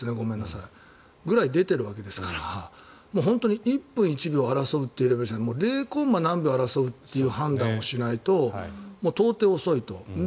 そのぐらい出ているわけですから本当に１分１秒を争うというか０コンマ何秒争うという判断をしないと到底、遅いと。